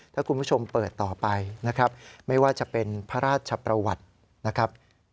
ถ้าคุณผู้ชมเปิดต่อไปนะครับไม่ว่าจะเป็นพระราชประวัตินะครับ